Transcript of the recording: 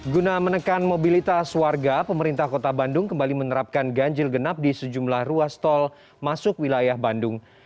guna menekan mobilitas warga pemerintah kota bandung kembali menerapkan ganjil genap di sejumlah ruas tol masuk wilayah bandung